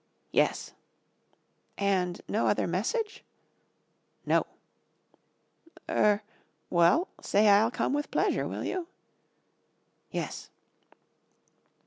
"Yes." "And no other message?" "No." "Er well, say I'll come with pleasure, will you?" "Yes."